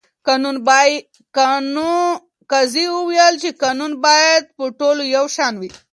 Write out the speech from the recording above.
قاضي وویل چې قانون باید په ټولو یو شان وي.